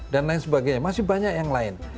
dan lain sebagainya masih banyak yang lain